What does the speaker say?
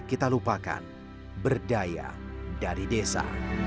kita lupakan berdaya dari desa